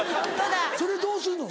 それどうすんの？